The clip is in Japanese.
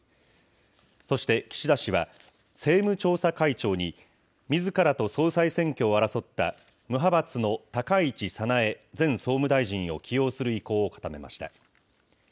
そして、岸田氏は、政務調査会長に、みずからと総裁選挙を争った無派閥の高市早苗前総務大臣を起用する意向を固めました。